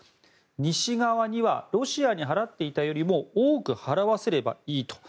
西側にはロシアに払っていたよりも多く払わせればいいと。